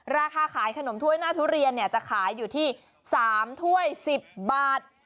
ราคาขายขนมถ้วยหน้าทุเรียนจะขายอยู่ที่๓ถ้วย๑๐บาท